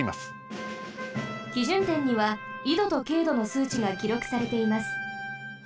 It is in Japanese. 基準点には緯度と経度のすうちがきろくされています。